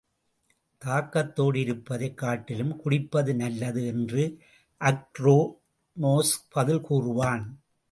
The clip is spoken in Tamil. தாகத்தோடு இருப்பதை காட்டிலும் குடிப்பது நல்லது என்று அக்ரோனோஸ் பதில் கூறுவான்.